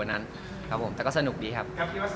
แต่ก็สนุกดีครับ